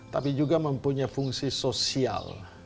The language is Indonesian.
tapi juga mempunyai fungsi sosial